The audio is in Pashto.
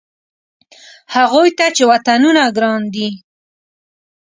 هغوی ته چې وطنونه ګران دي.